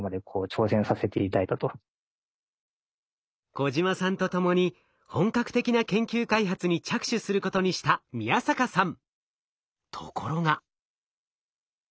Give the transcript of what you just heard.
小島さんと共に本格的な研究開発に着手することにした宮坂さん。